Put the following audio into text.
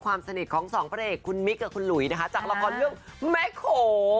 ความสนิทของสองพระเอกคุณมิกกับคุณหลุยนะคะจากละครเรื่องแม่โข